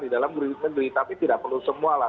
di dalam brindisi tapi tidak perlu semualah